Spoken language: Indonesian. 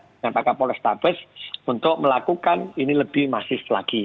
dengan pak kapol restabes untuk melakukan ini lebih masif lagi